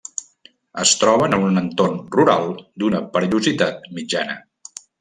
Es troben en un entorn rural d'una perillositat mitjana.